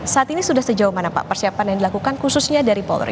saat ini sudah sejauh mana pak persiapan yang dilakukan khususnya dari polri